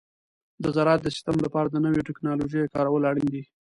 د زراعت د سیستم لپاره د نوو تکنالوژیو کارول اړین دي.